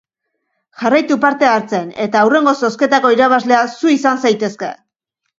Jarraitu parte hartzen eta hurrengo zozketako irabazlea zu izan zaitezke!